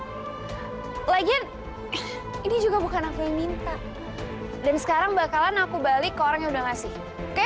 hai lagi ini juga bukan aku yang minta dan sekarang bakalan aku balik orang yang udah ngasih oke